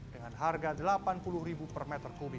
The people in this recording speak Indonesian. dengan harga rp delapan puluh per meter kubik